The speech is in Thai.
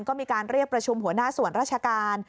ก็มีการเรียกประชุมหัวหน้าส่วนราชการ